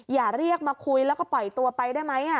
อย่าเรียกมาคุยแล้วก็ปล่อยตัวไปได้ไหม